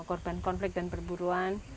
korban konflik dan perburuan